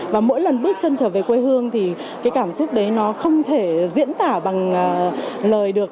và mỗi lần bước chân trở về quê hương thì cái cảm xúc đấy nó không thể diễn tả bằng lời được